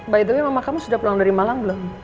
by the way mama kamu sudah pulang dari malam belum